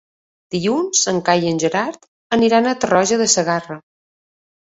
Dilluns en Cai i en Gerard aniran a Tarroja de Segarra.